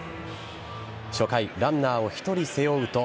初回、ランナーを１人背負うと